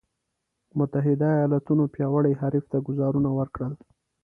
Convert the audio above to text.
متحدو ایالتونو پیاوړي حریف ته ګوزارونه ورکړل.